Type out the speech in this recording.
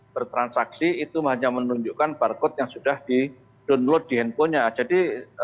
bertransaksi itu hanya menunjukkan barcode yang sudah di download di handphonenya jadi